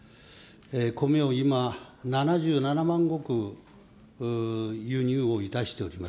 米を今、７７万石輸入をいたしております。